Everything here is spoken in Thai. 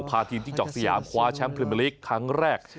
พาทีมที่เจาะสยามขวาแชมป์เพื่อมลิกครั้งแรก